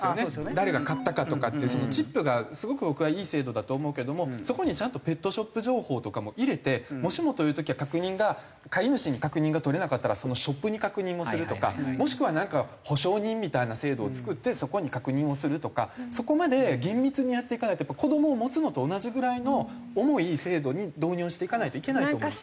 誰が買ったかとかっていうそのチップがすごく僕はいい制度だと思うけどもそこにちゃんとペットショップ情報とかも入れてもしもという時は確認が飼い主に確認がとれなかったらそのショップに確認をするとかもしくはなんか保証人みたいな制度を作ってそこに確認をするとかそこまで厳密にやっていかないと子供を持つのと同じぐらいの重い制度に導入をしていかないといけないと思います。